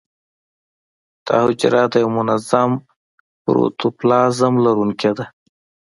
دا حجره د یو منظم پروتوپلازم لرونکې ده.